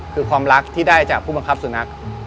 คือความรักที่ได้จากผู้บังคับสุนัข